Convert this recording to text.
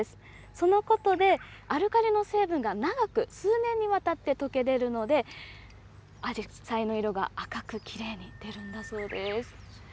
そのことで、アルカリの成分が長く数年にわたって溶け出るので、アジサイの色が赤くきれいに出るんだそうです。